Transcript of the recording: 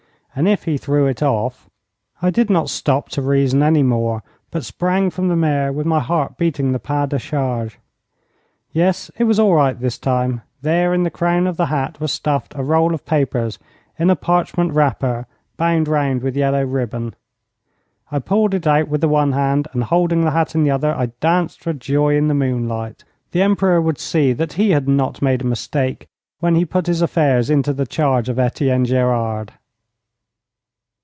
And if he threw it off I did not stop to reason any more, but sprang from the mare with my heart beating the pas de charge. Yes, it was all right this time. There, in the crown of the hat was stuffed a roll of papers in a parchment wrapper bound round with yellow ribbon. I pulled it out with the one hand and, holding the hat in the other, I danced for joy in the moonlight. The Emperor would see that he had not made a mistake when he put his affairs into the charge of Etienne Gerard.